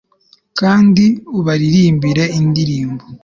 Kandi ubaririmbire indirimbo